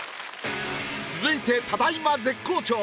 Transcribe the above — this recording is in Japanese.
続いてただ今絶好調！